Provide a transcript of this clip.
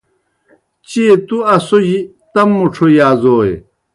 چیئےتُوْ اسوجیْ تم مُڇھو یازوئے۔